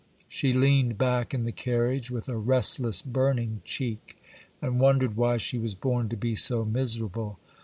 She leaned back in the carriage, with a restless, burning cheek, and wondered why she was born to be so miserable.